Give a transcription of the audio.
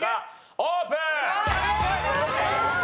オープン！